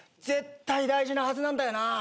絶対大事なはずなんだよな。